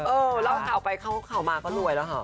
เออแล้วข่าวไปข่าวมาก็รวยแล้วเหรอ